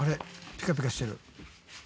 ピカピカしてる。